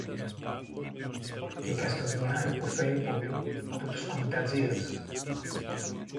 Και η Καστοριά υποφέρει πολύ από τους κομιτατζήδες